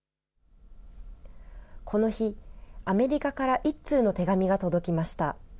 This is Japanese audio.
この日、アメリカから１通の手紙が届きました。